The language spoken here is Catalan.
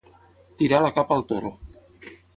Tirar la capa al toro.